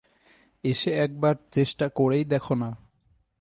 এসে একবার চেষ্টা করেই দেখো না।